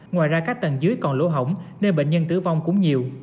ngoài ra các tầng dưới còn lỗ hổng nên bệnh nhân tử vong cũng nhiều